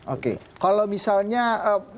oke kalau misalnya pak yani menurut anda gimana